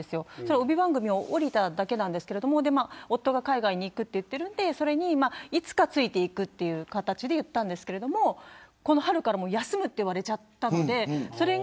帯番組を降りただけなんですけど夫が海外に行くと言っているのでいつかついていくという形で言ったんですけどこの春から休むと言われちゃったので。